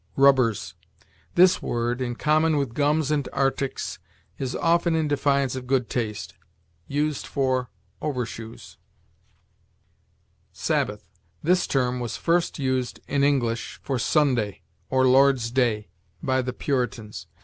RUBBERS. This word, in common with gums and arctics, is often, in defiance of good taste, used for overshoes. SABBATH. This term was first used in English for Sunday, or Lord's day, by the Puritans.